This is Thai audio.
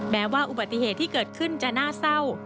แม้ว่าอุบัติเหตุที่เกิดขึ้นจะน่าเศร้า